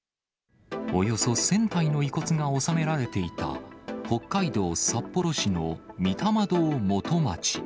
およそ１０００体の遺骨が納められていた北海道札幌市の御霊堂元町。